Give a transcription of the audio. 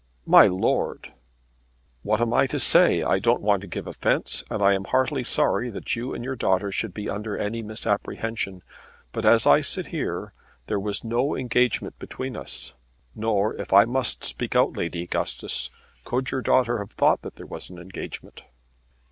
"My lord!" "What am I to say? I don't want to give offence, and I am heartily sorry that you and your daughter should be under any misapprehension. But as I sit here there was no engagement between us; nor, if I must speak out, Lady Augustus, could your daughter have thought that there was an engagement."